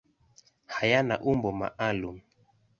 Hayana umbo maalum.